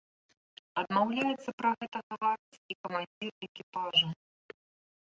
Адмаўляецца пра гэта гаварыць і камандзір экіпажа.